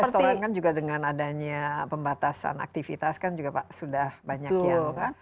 restoran kan juga dengan adanya pembatasan aktivitas kan juga pak sudah banyak yang